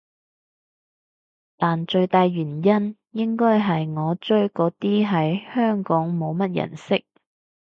但最大原因應該係我追嗰啲喺香港冇乜人識